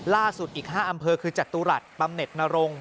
ล่าสุดอีก๕อำเภอคือจตุรัสบำเน็ตนรง